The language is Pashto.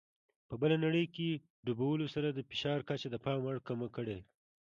په بله نړۍ کې ډوبولو سره د فشار کچه د پام وړ کمه کړي.